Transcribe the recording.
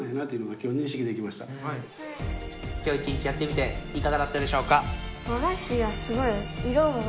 今日一日やってみていかがだったでしょうか？